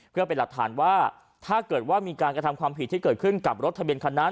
เพื่อเป็นหลักฐานว่าถ้าเกิดว่ามีการกระทำความผิดที่เกิดขึ้นกับรถทะเบียนคันนั้น